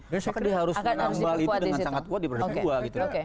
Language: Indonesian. maka dia harus menambah itu dengan sangat kuat di peradaban dua